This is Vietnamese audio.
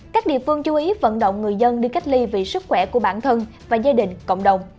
các địa phương chú ý vận động người dân đi cách ly vì sức khỏe của bản thân và gia đình cộng đồng